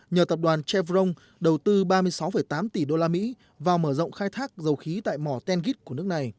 nhờ tập đoàn trevrong đầu tư ba mươi sáu tám tỷ usd vào mở rộng khai thác dầu khí tại mỏ tenggit của nước này